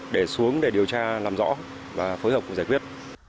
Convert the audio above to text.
để xuống để điều tra làm rõ và phối hợp giải quyết